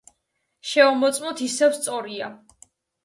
შევამოწმოთ, ისევ სწორია.